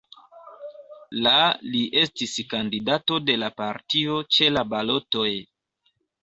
La li estis kandidato de la partio ĉe la balotoj.